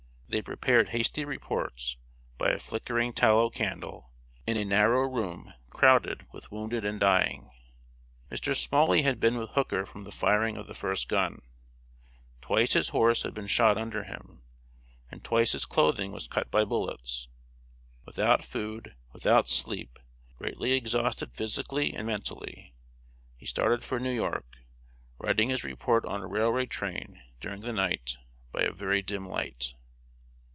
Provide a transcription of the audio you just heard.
They prepared hasty reports, by a flickering tallow candle, in a narrow room crowded with wounded and dying. Mr. Smalley had been with Hooker from the firing of the first gun. Twice his horse had been shot under him, and twice his clothing was cut by bullets. Without food, without sleep, greatly exhausted physically and mentally, he started for New York, writing his report on a railway train during the night, by a very dim light.